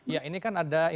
ya ini kan ada informasi